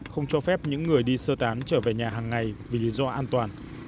không cho phép những người đi sơ tán trở về nhà hàng ngày vì lý do an toàn